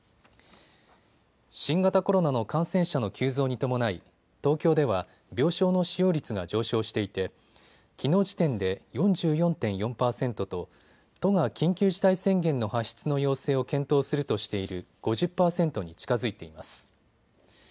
新型コロナの感染者の急増に伴い東京では病床の使用率が上昇していてきのう時点で４４．４％と都が緊急事態宣言の発出の要請を検討するとしている５０％に近づいています。